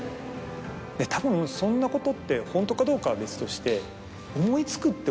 たぶんそんなことってホントかどうかは別として。